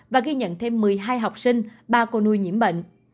và ghi nhận thêm một mươi hai học sinh ba cô nuôi nhiễm bệnh